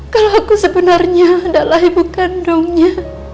kalau aku sebenarnya adalah ibu kandungnya